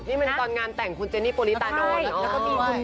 นี่เป็นตอนงานแต่งคุณเจนี่โปรลิตานอน